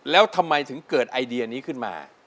แล้วทำไมถึงเกิดไอเดียนี้ขึ้นมา